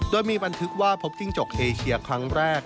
โดยมีบันทึกว่าพบจิ้งจกเอเชียครั้งแรก